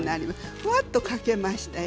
ふわっとかけましたよ。